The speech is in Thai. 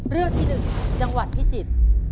เรื่องที่๑จังหวัดพิจิตร